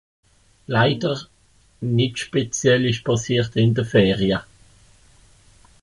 leider nix speziell esch pàssiert in de Feria